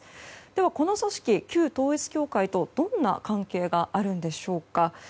では、この組織、旧統一教会とどんな関係があるんでしょうか。